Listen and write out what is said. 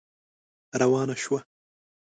روانه شوه.